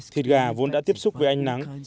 thịt gà vốn đã tiếp xúc với ánh nắng